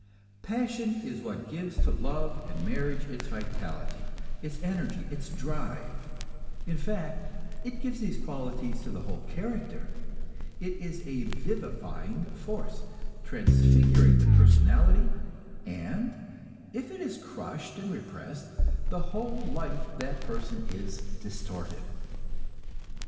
Passion is what gives to love and marriage its vitality, its energy, its drive; in fact, it gives these qualities to the whole character. It is a vivifying force, transfiguring the personality, and if it is crushed and repressed, the whole life of that person is distorted.